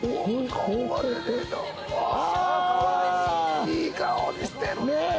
いい顔してるね。